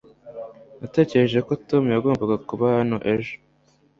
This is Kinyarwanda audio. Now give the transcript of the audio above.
natekereje ko tom yagombaga kuba hano ejo